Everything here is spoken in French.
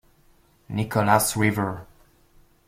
Nicholas River.